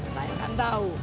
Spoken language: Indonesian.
saya kan tau